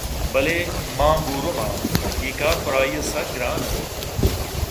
بلے ماں گورُم ءَ اے کار پرآئی ءَ سکّ گرٛان اَت